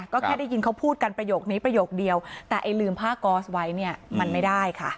ก็แค่ได้ยินเขาพูดกันประโยคนี้ประโยคเดียวแต่ไอ้ลืมผ้าก๊อสไว้เนี่ยมันไม่ได้ค่ะ